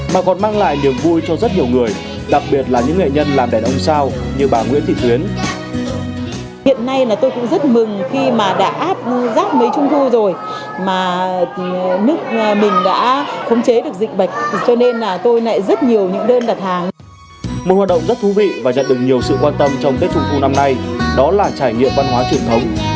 mà còn mang lại niềm vui cho rất nhiều người đặc biệt là những nghệ nhân làm đèn ông sao như bà nguyễn thị tuyến